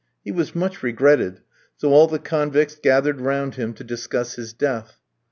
He was much regretted, so all the convicts gathered round him to discuss his death.